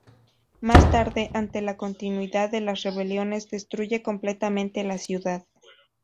Más tarde, ante la continuidad de las rebeliones, destruye completamente la ciudad.